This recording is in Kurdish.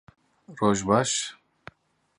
Roj baş!